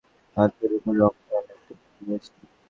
একদিন খেলতে গিয়ে আমার ডান হাতের ওপরের অংশ অনেকটা কেটে গিয়েছিল।